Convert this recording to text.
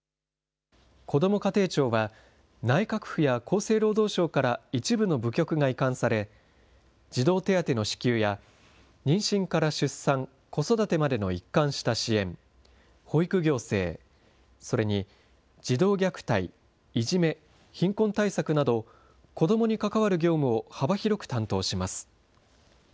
こども家庭庁は、内閣府や厚生労働省から一部の部局が移管され、児童手当の支給や、妊娠から出産・子育てまでの一貫した支援、保育行政、それに児童虐待、いじめ、貧困対策など子どもに関わる業務を幅広く担当します。